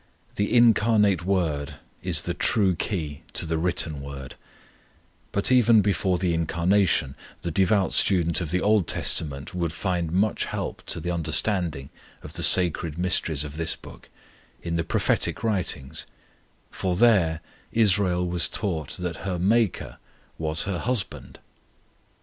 The Incarnate Word is the true key to the written Word; but even before the incarnation, the devout student of the Old Testament would find much help to the understanding of the sacred mysteries of this book in the prophetic writings; for there Israel was taught that her MAKER was her HUSBAND.